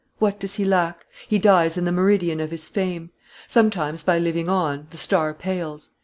What does he lack? He dies in the meridian of his fame. Sometimes, by living on, the star pales.